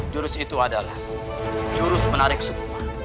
jurus itu adalah jurus menarik semua